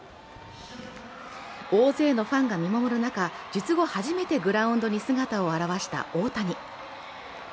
大勢のファンが見守る中、術後初めてグラウンドに姿を現した大谷。